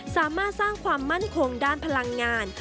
สามารถสร้างความมั่นคงด้านพลังงาน